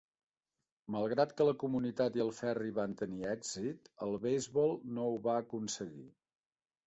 Malgrat que la comunitat i el ferri van tenir èxit, el beisbol no ho va aconseguir.